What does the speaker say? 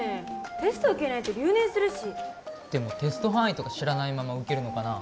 テスト受けないと留年するしでもテスト範囲とか知らないまま受けるのかな？